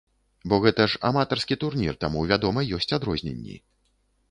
Бо гэта ж аматарскі турнір, таму вядома ёсць адрозненні.